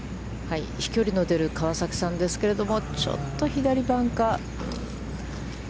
飛距離の出る川崎さんですけれども、ちょっと左バンカー。